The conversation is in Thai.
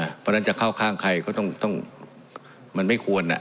เพราะฉะนั้นจะเข้าข้างใครก็ต้องมันไม่ควร